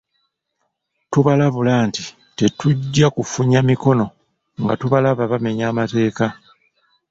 Tubalabula nti tetujja kufunya mikono nga tubalaba bamenya amateeka.